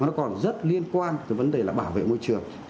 nó còn rất liên quan tới vấn đề là bảo vệ môi trường